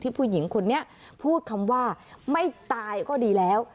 ผู้หญิงคนนี้พูดคำว่าไม่ตายก็ดีแล้ว